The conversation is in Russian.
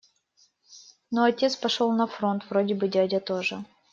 Ну, отец пошёл на фронт вроде бы, дядя тоже.